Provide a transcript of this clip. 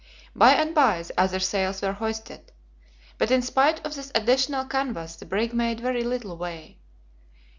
By and by, the other sails were hoisted. But in spite of this additional canvas the brig made very little way.